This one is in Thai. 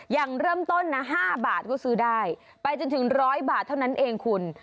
อย่างเริ่มต้นนะ๕บาทก็ซื้อได้ไปจนถึง๑๐๐บาทเท่านั้นเองคุณ